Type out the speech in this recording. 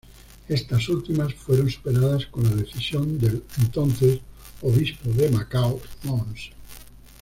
Estas últimas fueron superadas con la decisión del entonces Obispo de Macao, Mons.